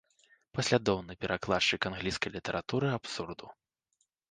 Паслядоўны перакладчык англійскай літаратуры абсурду.